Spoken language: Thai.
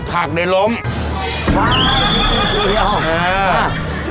ผักเด็ดเลยครับ